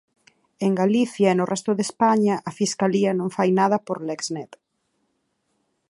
En Galicia e no resto de España a Fiscalía non fai nada por Lexnet.